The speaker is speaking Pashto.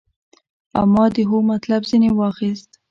او ما د هو مطلب ځنې واخيست.